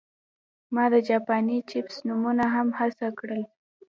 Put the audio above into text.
ما د جاپاني چپس نومونه هم هڅه کړل